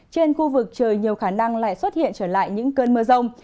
trên khu vực trời nhiều khả năng lại xuất hiện trở lại những cơn mưa rông